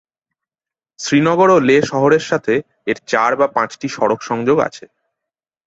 শ্রীনগর ও লেহ শহরের সাথে এর চার বা পাঁচটি সড়ক সংযোগ আছে।